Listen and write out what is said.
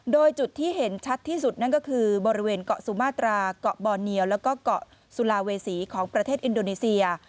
โดยจุดที่เห็นชัดที่สุดนั่นก็คือบริเวณเกาะสุมาตราเกาะบอเนียวแล้วก็เกาะสุลาเวษีของประเทศอินโดนีเซีย